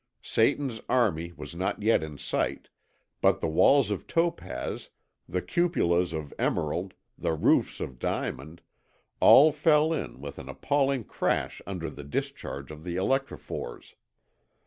Satan's army was not yet in sight, but the walls of topaz, the cupolas of emerald, the roofs of diamond, all fell in with an appalling crash under the discharge of the electrophores.